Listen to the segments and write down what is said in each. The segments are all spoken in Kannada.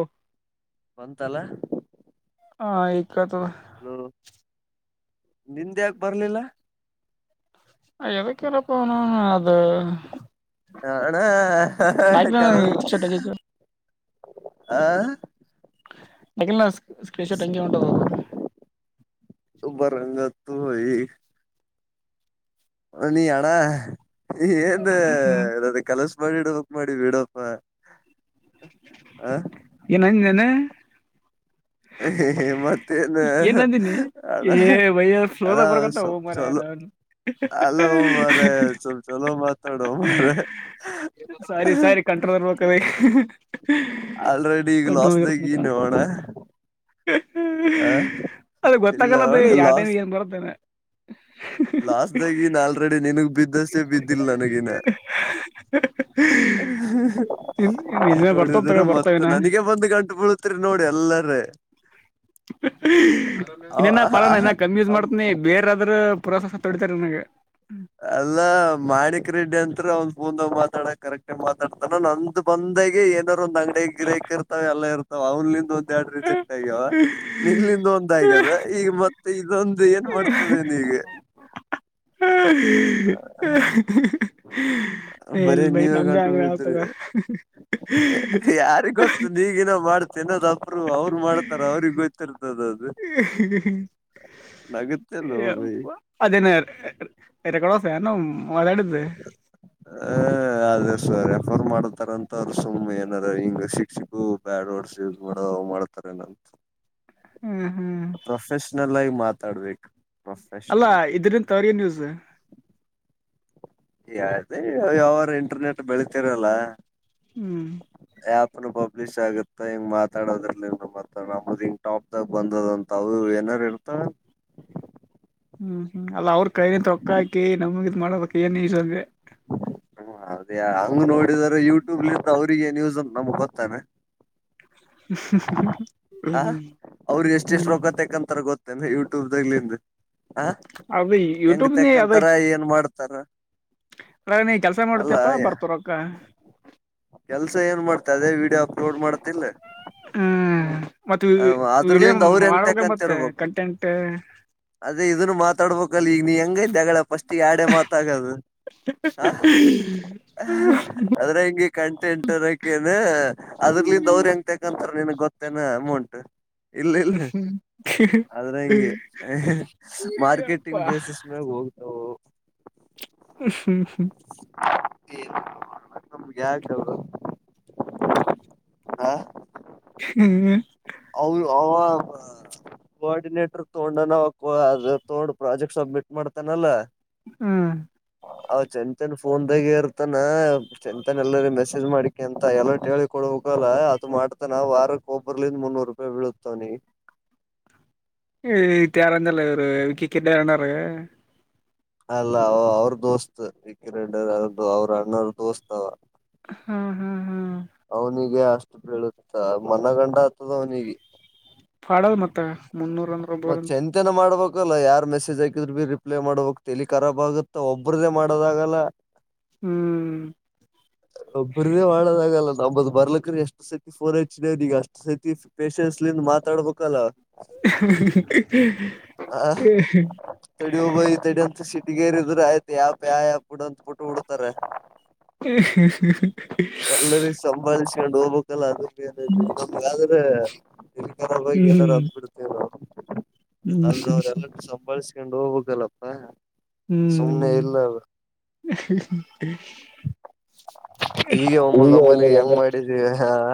ಹ ಬಂತಲ್ಲ ಹಾ ಈತ್ತು ನಿಂದ್ಯಾಕೆ ಬರ್ಲಿಲ್ಲ ಎದಕ್ಕೆಲ್ಲ ಪಣ ಅದು ಹಣ ಕ ಶರ್ಟ್ ಆಗೈತಿ ಆ ನಕಲ್ಲ ಸ್ ಸ್ಕ್ರೀನ್ ಶರ್ಟಂಕಿ ಉಂಟದ ಬರಂಗತ್ ತು ಹ ನೀಿಯಣ ಏದ ಹ್ಮ್ ಇದು ಕೆಲಸ ಮಾಡಿ ಇಡಕ್ ಮಾಡಿ ಬಿಡಪ್ಪ ಆ ಏನಂಗೇನೆ ಮತ್ತೇನ್ ಏನ್ ಅಂದೀಿನಿ ಅಣ ಏ ವಯ ಅಣ ಸೋದ ಬರ್ಗತ್ತ ಹೋಗ ಸ್ವಲ್ಪ್ ಮರ ಯಾರ ಚಲೋ ಹ್ಮ್ಮ್. ಅಲ್ಲ ಮಾರಾಯ ಸ್ವಲ್ಪ್ ಚಲೋ ಮಾತಾಡೋ ಮಾರಾಯ ಸರಿ ಸಾರಿ ಕಂಟ್ರೋದರ್ಬೇಕದ ಆಲ್ರೆಡಿ ಈ ಲಾಸ್್ದಾಗಿ ನೋಣ ಆ ಅದ ಇಲ್ಲ ಗೊತ್ತಾಗಲ್ಲದು ನೋಣ ಯ ಟೈನಿಗೆ ಏನ್ ಬರತ್ತೇನೆ ಲಾಸ್ದಾಗಿ ನಾಲ್ರೆಡಿ ನಿನಗ್ ಬಿ ಬಿದ್ದಷ್ಟೇ ಬಿದ್ದಿಲ್ಲ ನನಗಿನ ಇನ್ನೇ ಬರ್ತಾವ ನೋಡಿದ್ರ ತಗೋ ಮತ್ತ ಬರ್ತಾವಿನ ನನಗೆ ಬಂದ್ ಗಂಟು ಬೀಳತ್ರಿ ನೋಡಿ ಎಲ್ಲರ ಇನ್ನೇನ ಪಾಲನ ಇನ ಕಮ್ಮ ಯೂಸ್ ಮಾಡ್ತ್ನಿ ಬೇರಾದ್ರ ಪುರಾಸಸ ತೊಡ್ ತರನಗೆ ಅಲ್ಲ ಮಾಡಕ್ ರೆಡ್ಡಿ ಅಂತ್ರ ಅವನ್ ಪೂಂದಾಗ ಮಾತಾಡ ಕರೆಕ್ಟಗ ಮಾತಾಡ್ತಾನ ನಂದು ಬಂದ ಒೆ ಏನಾರ್ ಒಂದು್ ಅಂಗಡಿ ಗಿಕ್ ಇರ್ತಾವವೆ ಎಲ್ಲ ಇರ್ತಾವ ಅವಲ್ಲಿಂದ ರಿಜೆಕ್ಟ್ ಆಗ್ಯಾವ ನಿಲ್ಲಿಂದ ಒಂದ ಆಗ ಅ ಈಗ ಮತ್ತೆ ಇದೊಂದು ಏನ್ ಮಾಡ್ತದೆ ನೀಗೆ ಹ ಬರೀ ನೀವೇ ಗಂಟ ಬಿದ್ರೆ ಆತದ ಯಾರಿಗ ಗೊತ್ತ ಈಗಿನ ಮಾಡ್ತ ಗೊತ್ತಿರ್ತದ ಅದು ನಗುತ್ತಲ್ ಭೈ ಹ ಅದೇನ ರೆಕಡ ಫೆನು ಹ ಅದೇ ಸ ರೆಫರ್ ಮಾಡತಾರ ಅಂತ ಅವರು ಸುಮ್ಮನೆ ಏನಾರ ಹಿಂಗ ಶ ಸಿಕ್ಸಿಿಕು ಬ್ಯಾಡ್ ವರ್ಡ್ಸ್ ಯೂಸ್ ಮಾಡ ಮಾಡತಾರ ಪ್ರನಂತ ಹ್ಮ್ ಹ್ಮ್ ಮಾತಾಡ್ಬೇಕು ಅಲ್ಲಾ ಪ್ರೊಫೆಷ್ನಲ್ ಇದರಿಂತ ಅವರಿಗೆನ ಯೂಜ ಯ ಯಾವಾರ ಇಂಟರ್ನೆಟ್ ಬೆಳೀತಿರಲ್ಲ ಹ್ಮ್ ಆ್ಯಪ್ ಪಬ್ಲಿಷ್ ಆಗುತ್ತೆ ಹಿಂಗ್ ಮಾತಾಡದರ್ಲಿ ಮಾತಾ ನಮ ಹಿಂಗ್ ಟಾಪ್ ದಾಗ ಬಂದದಂತರು ಏನಾರು ಇರ್ತ ಹ್ಮ್ ಹ್ಮ್ ಅಲ್ಲ ಅವ್ರ ಕೈಯಿಂದ ತೊಕ್ಕ ಹಾಕಿ ನಮಗಿದ ಮಾಡೋದ ಕ ಏನ್ ಇಜ ಅಂದ್ರೆ ಹ್ಮ ಹೌದೇ ಹಂಗ ನೋಡಿದರ ಯುಟ್ಯೂಬ್ ಲಿಂತಾ ಅವ್ರಿಗೆ ನ ಯುಸ್ ನಮ್ಗ್ ಗೊತ್ತಾನೆ [unintelligible] ಹ ಹ್ಮ್ ಅವ್ರಿಗೆ ಎಷ್ಟ ಎಷ್ಟು ಹ್ಮ್ ರೋಗ ತಕಂತಾರೆ ಗೊತ್ತ ಯೂಟ್ಯೂಬ್ಗ್ಲಿಂದ ಹ ಅದು ಹೆಂಗ ಯೂಟ್ಯೂಬ್ ನೀ ಅದ ತಕ್ಕಂತರ ಏನ್ ಮಾಡ್ತ [unintelligible] ಸರ್ನಾ [unintelligible] [unintelligible] ನೀ ಕೆಲ್ಸ ಮಾಡತಪ್ಪಾ ಬರ್ತರಕ್ಕ ಕೆಲ್ಸ ಏನ್ ಮಾಡ್ತ ಅದೇ ವಿಡಿಯೋ ಅಪ್ಲೋಡ್ ಮಾಡ್ತಿಲ್ಲ ಹ್ಮ್ ಮತ್ತ ವಿಡಿಯೋ ಅದ್ರಲಿಂದ ಅವ್ರ ಹೆಂಗ್ ಮಾಡ್ಬೇಕ ತಕಂತ ಮತ್ತೆ ಇರ್ಬೇಕು ಕಂಟೆಂಟ್ ಅದೇ ಇದನ್ನು ಮಾತಾಡ್ಬೇಕಲ್ಲಿ ಈಗ [unintelligible] ನೀ ಹೆಂಗೈತೆಗಳ ಫಸ್ಟ್ ಆಡೆ ಮಾತಾಗದು [unintelligible] ಹ್ಮ್ ಆದ್ರೆ ಹಂಗೆ ಕಂಟೆಂಟ್ ಅದಕ್ಕೇನ್ ಅದ್ರಲಿಂದ ಅವ್ರ ಹೆಂಗತಕಂತಾರ ನನ್ಗ್ ಗೊತ್ತೇನ ಅಮೌಂಟ್ ಇಲ್ಲ ಇಲ್ಲ ಆದ್ರ ಹಂಗೆ ಮಾರ್ಕೆಟಿಂಗ್ ಯಪ್ಪಾ ಬೇಸಸ್ ಮ್ಯಾಗ ಹೋಗ ಹ ಹ್ಮ್್ಮ [unintelligible] ನಮ್ಗೆ [unintelligible] ಯಾಕಲ್ [unintelligible] ಹ ಹ್ಮ್ ಅವು ಅವ [unintelligible] ಕೋಆರ್ಡಿನೇಟರ್ ತೂಂಡನ ಅ ತೋಡ ಪ್ರಾಜೆಕ್ಟ್ ಸಬ್ಮಿಟ್ ಮಾಡ್ತಾನಲ್ಲಾ ಹ್ಮ್ ಅವ್ ಚಂದ ಚಂದ ಫೋನ್ದಾಗೆ ಇರ್ತಾನ ಚೆಚನ್ ಎಲ್ಲರ ಮೆಸೇಜ್ ಮಾಡಿಕೆ ಅಂತ ಎಲ್ಲೋ ಹೇಳಿಕೊಡ [unintelligible] ಹಕಲ ಅದು ಮಾಡ್ತಾನ ವಾರಕ್ ಒಬರ್ಲಿಂದ ಮುನ್ನೂರು ರೂಪಾಯಿ ಬೀಳತವನಿ [unintelligible] [inaudible] ಅಲ್ಲ ಅವ ಅವ್ರ ದೋಸ್ತ್ ವಕ್ಕಿರಂರ್ಅವ್ರ [unintelligible] ಅಣ್ಣರ್ ದೋಸ್ತ್ ಅವ ಹಾ ಹಾ ಹಾ ಅವನಿಗೆ ಅಷ್ಟು ಬೀಳುತ್ತ ಮನ ಗಂಡ ಆತದ ಅವನಿಗೆ ಪಾಡ್ಲ್ ಮತ್ತೆ ಮತ್ ಚಂತನ ಮಾಡ್ಬೇಕು ಆಗಲ್ಲ ಯಾರ್ ಮೆಸೇಜ್ ಹಾಕಿದ್ರರು ಬಿೀ ರಿಪ್ಲೈ ಮಾಡ್ಬೇಕಕ್ [unintelligible] ಲಿ ಖಾಬ್ ಆಗುತ್ತತ್ತ ಒಬ್ಬ್ರದ್ದೇ ಮಾಡೋದಾಗಲ್ಲ [inaudible] ಹ್ಮ್ ಒಬ್ರ್ದೇ ಮಾಡಳದಾಗಲ್ಲ ನಮದ್ ಬರ್ಲಕ್ರೀ ಎಷ್ಟ್ ಸತಿ ಫೋನ್ ಹೆಚ್ದೆೇವ್ರ ಈಗ ಅಷ್ಟ್ ಸತಿ ಪೇೇಶನ್ಸ್ಲಂದ ಮಾತಾಡ್ಬೇಕಲ್ಲ ಹ ತಡ ತಡಿ ಶ [unintelligible] ಗೇರಿದ್ರರು ಆಯ್ತ ಯಾಪ ಯ ಯಾ ಬಿಡು ಅಂತ ಬಿಟ್ ಬಿಡ್ತಾರೆ ಹ್ಮ ಹ್ಮ ಹ್ ಎಲ್ಲರಿಗ ಸಂಭಳಿಸಕೊಂಡು ಹೋಗ್ಬೇಕಲ್ಲ ಅದ ಬ ಆದ್ರೆ [unintelligible] ಇಲ್ ಕಾಗ ಏನಾದಾರರು ಹ್ಮ್ ಅಂದ್ಬಿಡ್ತೇವ ನವು ಆದ್ರೆ ಹ್ಮ್ ಅವ್ರಲ್ಲ ಸಂಭಳಸ ತಿಕೊಂಡು ಹೋಗ್ಬೇಕಲ್ಲಪ್ಪಾ ಸುಮ್ನೆ ಹ್ಮ್ ಇಲ್ಲ ಅದು [inaudible] ಈಗ ಒಮ್ಮ ಒಮ್ಮಿಗೆ ಹೆಂಗ್ ಮಾಡಿದೀವಿ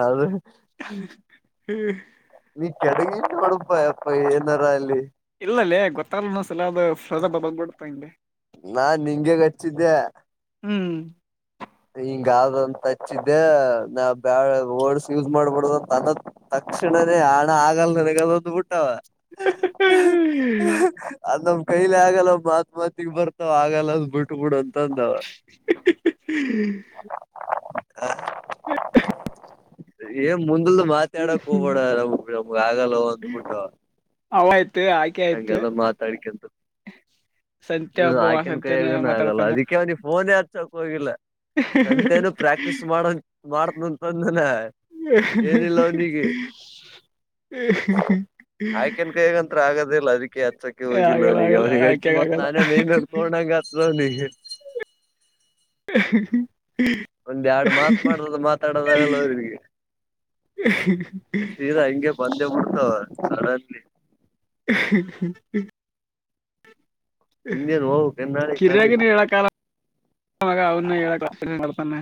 ಆದ್ರೆ [unintelligible] [inaudible] ಈ ಕೆಡಗಿಂತ ಮಾಡಡಪ ಅಪ್ಪ ಏನಾರ ಅಲ್ಲಿ ಇಲ್ಲಲ್ಲೇ ಗೊತ್ತಲ್ನು ಸಲ ಅದು ಫದಬ ಬಗ್ಬಿಡತ ಹಂಗೆ [unintelligible] ಹೆಚ್ಚಿದೇ ಹ್ಮ್ ಹಿಂಗ ಆದ್ದಂತ ಹಚ್ಚಿದ್ದೆ ನಾವ್ ಬ್ಯಾಳ ವರ್ಡ್ಸ್ ಯೂಸ್ ಮಾಡ್ಬಿಡುದ ತ [unintelligible] ತಕ್ಷಣೇ ಹಣ ಆಗಲ್ಲದೆಗದೊಂದು ಬಿಟ್ಟವ [unintelligible] ಅದ ಕೈಲಿ ಆಗಲ್ಲ ಮಾತ್ ಮಾತಿಗ್ ಬರ್ತಾವ ಆಗಲ್ಲದ ಬಿಟ್ಬಿಡು ಅಂತಂದವ [unintelligible] [inaudible] ಹಾ [unintelligible] ಏನ್ ಮುಂದಲ್ ಮಾತಾಡಕ್ ಹೋಗ್ಬೇಡ ನಮ ನಮಗ [unintelligible] ಆಗಲ್ಲ ಒಂದ್ಬಿಟ್ಟ ಅವ ಆಯ್ತು ಆಕೆ ಆಯ್ತು ಹಗೆಲ್ಲ ಮಾತಾಡಿಕಂತ ಸಂತೆ ಹ್ಮ ಒಬ್ಬ ಆಕನ್ ಸಂತೆನ ಕೈಿಗ ಆಗಲ್ಲ ಮಾತಾಡ್ತಾನ ಅದಕ್ಕೆನ ಫೋನೇ ಹ ಅಂತೇನು ಪ್ರಾಕ್ಟೀಸ್ ಮಾಡ ಮಾಡತಂತಂದಲ್ಲ ಹ ಹ ಹಚ್ಚತ್ತಕ್ಕೆ ಹೋಗಿಲ್ಲ ಅವನಿಗೆ ಅವನಿಗೆ ಆಕೆ ಹಚ್ಚ ಮತ್ ಆಗಲ್ಲ ನಾನೇ ಮೇ ತೋಂಗ ನೀ ಹ ಒಂದ್ ಎರಡು ಮಾತ್ ಮಾಡದು ಮಾತಾಡೋದಾಗಲ್ಲ ಅವರಿಗೆ ಶ್ರೀದಾ ಹಿಂಗೆ ಪಂದ್ಯ ಮುಡ್ತವ ಸಡನ್ಲಿ [unintelligible] ನಿಂದೇನು ಹೋಗ ಕೆಾಳೆ ಕಾಲ [unintelligible] ಗ ಅವ್ನ್ನ ಏ ಕ್ಲಾಸ್ ಕತಾನೆ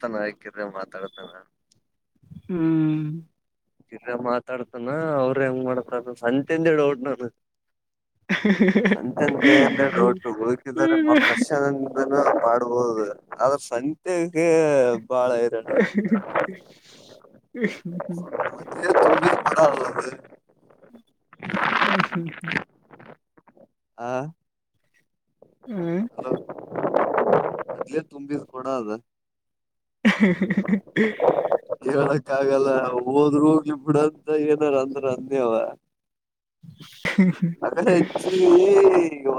[unintelligible] ತಾನ ಹಾಕಿದ್ರೆ ಮಾತಾಡ್ತಾನ ಹ್ಮ್ ಚಿತ್ರ ಮಾತಾಡ್ತಾನ ಅವರು ಹೆಂಗ ಮಾಡತ್ರ ಅ ಸಂತೆಂದ ಹೇಳಿ ೋಟ್ ನಾನು ಸಂಜನ್ಕಯ ಅಂತಿ ಒಟ್ಟು ಹಳ್ಕಿದ್ದಾರೆ ಮ ಪ್ರಶ ಮಾಡ್ಬೋುದು ಆದ್ರ ಸಂ ಹ್ಮ ಮತ್ತೇ ತಿ ಕಡದು ಹ್ಮ್ ಹ್ಮ್ ಹ್ಮ್ ಹಾ ಹ ಅದಲೇ ತುಂಬಿಸ್ ಕೊಡ ಅದ [unintelligible] ಹಗಲ್ಲ ಹೋದ್ೂ ಹೋಗಿ ಬಿಡಂತ ಏನಾರ ಅಂದ್ರ ಅಂದವ ಅಡೆ ಹೆಚ್ಚ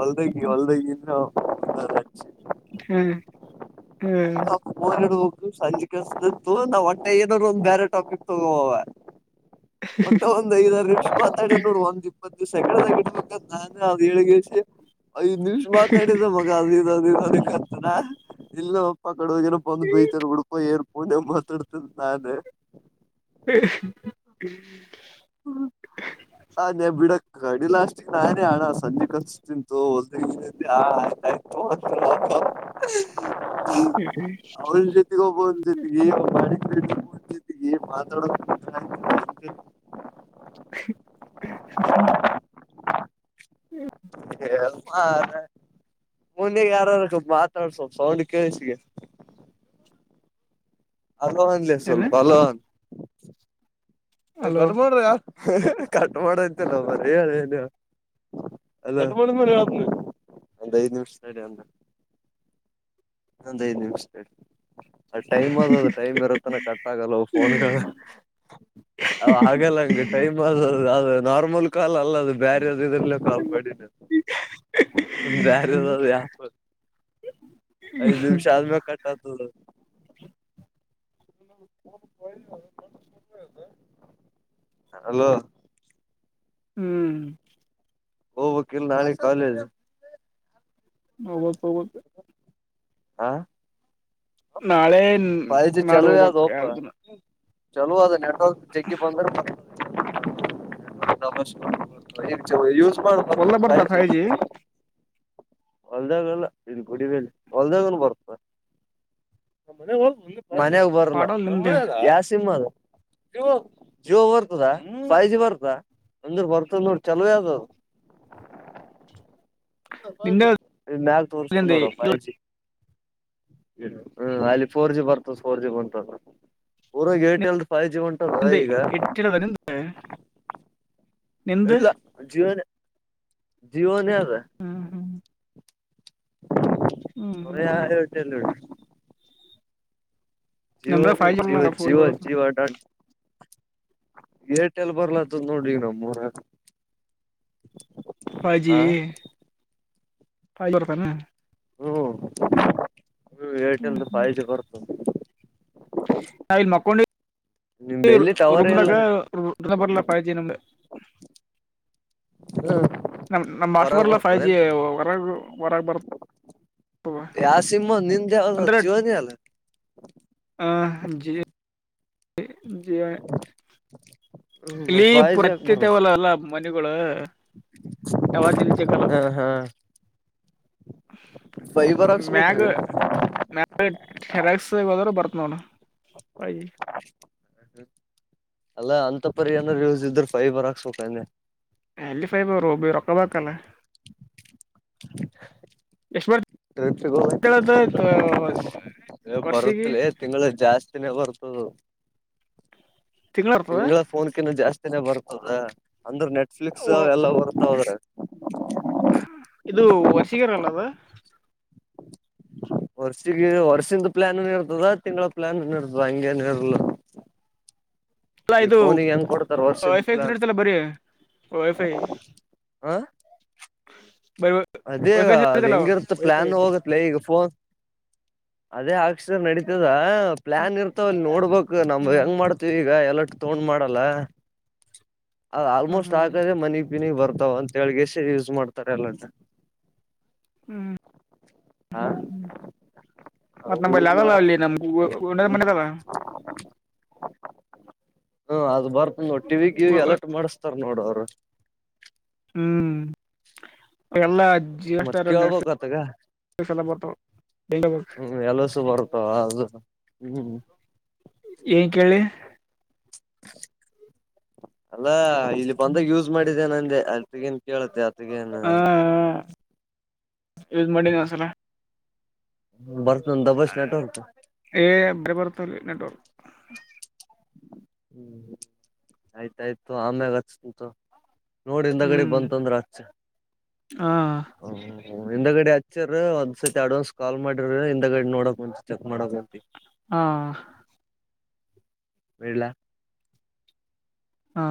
ಹೊಲ್ದಾಗಿ ಹೊಲ್ದಗನ್ [unintelligible] ಸಂಜ ಕಸತ್ತು ನಾವ್ ಹೊಟ್ಟೆ ಏನಾರರು ಒಂದ್ ಬೇರೆ ಟಾಪಿಕ್ ತಗೋುವವ ಮಟ್ಟೆ ಒಂದ್ ಐದುೀಕ್ಷ ಮಾತಾಡ ನೋಡ್ ಒಂದ ಮಿವಸ ಸಗಡ ತಗಿಡಬೇಕ ನಾನು ಅ್ಏಳ್ಗ್ಿವಸ ಐದ್ ನಿಮಿಷ್ ಮಾತಾಡಿದ ಮಗ ಅದು ಇದು ಅದ ಇದು ಅದಕ್ಕೆ ಹತ್ತರ ಇಲ್ಲ ಪಕ್ಕ ಡ ಹೋಗನ ಬಂದ ಬತರ ಹುಡ್ಕೊ ಏರ್ಕನೆ ಮಾತಾಡ್ತ್ ನಾನೇ ಹ್ಮ ಗಡಿ ಲಾಸ್ಟಿಗೆ ನಾನೇ ಆಣ ಸಂಜೆ ಕತ್ ತಿಂತು ಹೊ ಅವಗ ಹ ಬಿ ಬ ಮಾತಾಡೋ [unintelligible] ಹ್ಮ ಹಾ [unintelligible] ಮಂದಾಗ ಯಾರಾರು ಸ್ವಲ್ಪ ಮಾತಾಡ್ಸು ಸ್ವಲ್ಪ ಸೌಂಡ್ ಕೇಳಸಿಗೆ ಅಲವನ್ಲೇ ಏನ ಸ್ವಲ್ಪ ಹಲವಾನ್ ಏ ಅಲೋ ಗಟ್ ಮಾಡೋ್ರಿ ಯಾರ ಕಟ್ ಮಾಡಯ್ತಲ್ಲ ಮನ [unintelligible] ಒಂದು ಐದ್ ನಿಮಿಷ ನಡೆ ಅಲ್ಲ ನಂದ ಐದು ನಿಮಿಷ ತಡಿ ಅ ಟೈಮ್ ಅದದದು ಟೈಮ್ ಇರತ್ತನ ಕಟ್ ಆಾಗಲ್ಲ ಫೋನ್ಗಳ ಅವ ಹಾಗಲ್ಲ ಹಂಗ ಟೈಮ್ ಅದು ಅ ನಾರ್ಮಲ್ ಕಾಲ ಅಲ್ಲ ಅಲ್ಲ ಅದು ಬೇರೆ ಯ ಇದ್ರಲ್ಲ ಕಾಲ್ಪಾಡಿನ ಬ್ಯಾರೆ ಅದರ್ಯಾರು ಐದು ನಿಮಿಷ ಆದ್ಮೇಲೆ ಕಟ್ಟಾತ ಅಲೋ ಹ್ಮ್ ಓ ವಕೀಲ್ ನಾಳೆ ಕಾಲೇಜ್ ಹೋಗತ್ ಹೋಗುತ್ತ ಆಾ ನಾಳೆ ನಾಡ್ದ ಚಲೋ ಅದ ಹೋಗ್ಬಕ್ ಒಪ ಎರಡು ದಿನ ಚಲೋ ಅದ ನೆಟ್ವರ್ಕ್ ಜಗ್ಗಿ ಬಂದ್ರ ಜ [unintelligible] ಮಾಡ ಒಲ್ಲ ಬರ್ತಾ ಫೈವ್ ಜಿ [unintelligible] ಹೊಲ್ದಾಗಲ್ಲ ಇನ್ ಕುಡ ಹೊಲ್ದಾಗನು ಬರ್ತ ನಮ್ಮನೆಗೆ ಮನ್ಯಾಗ ಬರಲ್ಲ ಪಾಡಲ್ ನಿಂದೆ ಯಾವ ಸಿಮ ಅದು ಜ ಜೋ ಬರ್ತದಾ ಪೈಯಜಿ ಬರ್ದ ಅಂದ್ರ ಬರ್ತದ ನೋಡಿ ಚಲ ಯಾವ್ದ ನಿಂದೆ ಇಲ್ಲಿ ಮ್ಯಾಗ ನಿಂದೆ ತೋರ್ಸ್ಕೊಂಡೋಡ ಇಲ್ಲ ಪೈ್ ಜಿ ಹ್ಮ ಅಲ್ಲಿ ಫೋರ್ ಜಿ ಬರ್ತದೆ ಫೋರ್ ಜಿ ಬಂತ ಊರಾಗ ಏರ್ಟೆಲ್ ಫೈ ಜಿ ಉಂಟದದ ನಿಂದೆ ಈಗ ಎಟ್ಟಿಡದ ನಿಂದ ನಿಂದ ಇಲ್ಲ ಜಿಯೋನೆ ಜಿಯೋನೆ ಅದು ಹ್ಮ್ ಹ್ಮ್ ಹ್ಮ್ ಯ ಹೇಳಟಲ್ಲ ಉಟಿ ಜೀವೋ ನಮ್ದ ಫೈವ್ ಜಿ ಜೀವ ಬರಲ್ಲ, ಫೋರ್ ಜಿ ಜೀವ ಬರುತ್ತೆ ಜೀವ ಏರ್ಟೆಲ್ ಬರ್ಲತ್ತದ ನೋಡಿ ನಮ್ಮ ಊರಾಗ ಫೈ ಜಿ ಫ ಜರತ [unintelligible] ಹ್ಮ್ ಹ ಏರ್ಟೆಲ್ ದು ಫೈ ಜಿ ಬರ್ತದ ನಾಯಲ್ ಮಕ್ಕೊೊಂಡ ನಿಮ್ದ ಎಲ್ಲಿ ಟವರೇ ಇಲ್ಲ ರುಮಲಾಗ [unintelligible] ಂದ ಬರಲ ಪಾಯಚಿ ನಮಗೆ [unintelligible] ನಮ ನಮ್ಮ ಆಶ ಹೊರಗ್ ಬರ್ಲ್ಲ ಫೈವ್ ಜಿ ಬರ್ತದೇನ್ ಹೊರ ಹೊರಗೆ ಬರುತ್ತ ಆ ಸಿಿಮಮ್ಮ ನಿಂದೆ ಅವ ಜೀವನ ಅಲ್ಲ ಆ ಜಿಯೋ ಜಿಯೋ ಹ್ಮ್ ಇಲ್ಲಿ ಫೈವ್ ಜಿ ಯಾಕ್ ಬರಲ್ಲ ಪತ್ತತೆವಲ್ಲ ಅಲ್ಲ ಮನೆಿಗಳು ಟವರ್ ಜಲ್ಲಿಚಾಗಲ್ಲ ಹಾ ಹಾ [inaudible] ಮ್ಯಾಗ ಹಾಕ್ಸ್ಬೇಕ್ರಿ ಮ್ಯಾಗ ಟೆರಕ್ಸ್ ಹೋದ್ರರು ಬರ್ತ್ ನೋಡ ಫೈ ಜಿ ಹ್ಮ ಅಲ್ಲ ಅಂತ ಪರಿ ಏನಾದಾರರು ಯೂಸ್ ಇದ್ರ ಫೈಬರ್ ಹಾಕ್ಸ್ೋಪನೆ ಎಲ್ಲಿಫೈಬ ಅವರುೋಬಿ ರೊಕ್ಕ ಬತ ಅಲ್ಲ [inaudible] ಪ್ಿಗೆ ಹೋಗ್ಬೇಕ ಬರ್ತದ ವರ್ಷಿಗೆ ಬರುತ್ತಲ ತಿಂಗಳು ಜಾಸ್ತಿ [unintelligible] ಬರ್ತದೆ ತಿಂಗಳ ಫೋನ್ಕ್ಕಿಂತ ಜಾಸ್ತಿನೇ ಬರ್ತ ಹೌದ ಅಂದ್ರೆ ನೆಟ್ಫ್ಲಿಕ್ಸ್ ಓ- ಎಲ್ಲ ಬರ್ತಾ ಹೋದ್ರೆ ಇದು ವರ್ಷಿಗರಲ್ಲದ ವರ್ಷಗ ವರ್ಷಿಂದ ಪ್ಲಾಾನ ನ್ ಇರ್ತದ ತಿಂಗಳ ಪ್ಲಾಾನ ನ್ ಇರ್ತದ ಹಂಗಗೆನು ಇರ್ಲ ಅಲ್ಲ ಈ ಇದು ಫೋನಿಗೆ ಹೆಂಗ ಕೊಡ್ತಾರ ವೈಫೈ ವರ್ಷ್ದಲ ಇರ್ತಲ್ಲ ಬರೀ ಹಾ ಹ್ಮ ಅದೇಗ ಅದ ಹೆಂಗಿರುತ್ತ ವೈಫೈ ಪ್ಲಾನ್ ಹೋಗತ್ಲ ಈಗ ಫೋನ್ ಅದೇ ಅಕ್ಷರ ನಡೀತದ ಹ ಹ್ಮ್ ಪ್ಲ್ಲಾನ್ ಇರ್ತಾವ ಅಲ್ಲಿ ನೋಡ್ಬೇಕು ನಮ ಹ್ಮ್ ಹೆಂಗ ಮಾಡ್ತೀವಿ ಈಗ ಎಲ್ಲ ತಗೊಂಡ್ ಮಾಡಲ್ಲ ಹ್ಮ್ ಆಲ್ಮೋಸ್ಟ್ ಹ್ಮ್ ಹಾಕದ್ರೆ ಮನ ಿನಿಗ್ ಬರ್ತಾವ ಅಂತ ಹೇಳಳ್ಗೆಸ ಯೂಸ್ ಮಾಡ್ತಾರೆ ಎಲ್ಲಂಟ ಹ್ಮ್ ಹಾ ಮತ್ತತ್ ನಮ್ಮಲ್ಲಿ ಅಲ್ಲ ಅಲ್ಲಿ ನಮ್ಗ ಹ್ಮ ಮನದಲ್ಲ ಹಾ ಅದು್ ಬರ್ತ ನೋಡ್ ಟಿವಿಗ್ಿವಿ ಅಲರ್ಟ್ ಮಾಡಿಸ್ತಾರ ನೋಡ ಅವ್ರು ಹ್ಮ್ ಎಲ್ಲಾ ಜೀವಸ್ ಮತ್ ನ ಕೇಳ್ಬಕ್ತ್ತಗ ಎಲ್ಲ ಬರ್ತವ ಹ್ಮ್ ಎಲಸು ಬರ್ತಾವ ಅದು ಹ್ಮ್ ಏನ್ ಕೇಳಿ ಅಲ್ಲ ಇಲ್ಲಿ ಬಂದಾಗ ಯೂಸ್ ಮಾಡಿದ್ದ ನಂದೆ ಅಗಿಂತ ಕೇಳ್ತೆ ಅತ್ತೀಗೆನ ಹ ಯೂಸ್ ಮಾಡಿನಿ ವನಸಲ ಬರ್ ಏ ಬರ ಬರುತಲ್ಲಿ ನೆಟ್ವರ್ಕ್ ಹ್ಮ್ ಆಯ್ತ ಆಯ್ತು ಆಮೇಹಾಚಿನಿ ತೋ ನೋಡಿ ಹಿಂದ ಕಡೆ ಹ್ಮ್ ಬಂತ ಅಂದ್ರೆ ಆಚ ಹಾ ಹ ಹ ಹಿಂದ ಗಡಿ ಹಚ್ಚರ ಒಂದ್ಸತಿ ಅಡ್ವಾನ್ಸ್ ಕಾಲ್ ಮಾಡಿರಿ ಹಿಂದ ಗಡಿ ನೋಡಕ್ ಮುಂಚ ಮಾಡ ಹಾ ಬೇಳಲ ಹಾ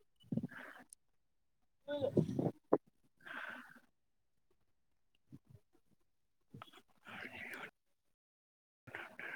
ಹ್ಮ